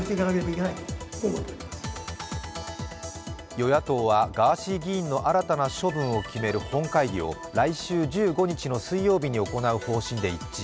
与野党はガーシー議員の新たな処分を決める本会議を来週１５日の水曜日に行う方針で一致。